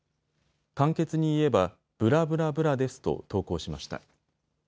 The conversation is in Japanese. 簡潔に言えばブラ・ブラ・ブラですと投稿しました。